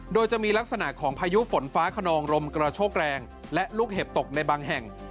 โดยจะมีลักษณะของพายุฝนฟ้าขนองลมกระโชกแรงและลูกเห็บตกในบางแห่ง